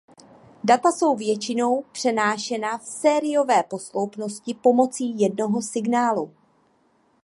Data jsou většinou přenášena v sériové posloupnosti pomocí jednoho signálu.